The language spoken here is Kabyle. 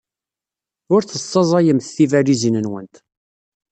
Ur tessaẓayemt tibalizin-nwent.